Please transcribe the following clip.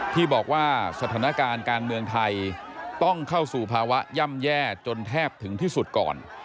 ที่บอกว่าสถานการณ์การเมืองไทยต้องเข้าสู่ภาวะย่ำแย่จนแทบถึงที่สุดก่อน